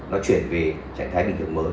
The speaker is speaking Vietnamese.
nó chuyển về trạng thái bình thường mới